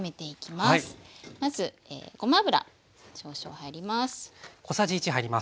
まずごま油少々入ります。